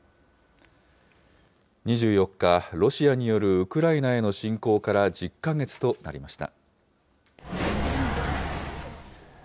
２４日、ロシアによるウクライナへの侵攻から１０か月となりました。